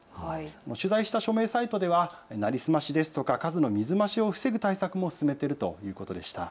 取材した署名サイトでは成り済ましですとか数の水増しを防ぐ対策も進めているということです。